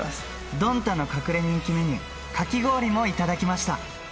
どんたの隠れ人気メニュー、かき氷も頂きました。